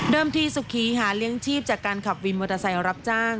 เดิมที่สุพรีถามัยเลี้ยงจีบจากการขับวินมอเตอร์ไซค์รับจ้าง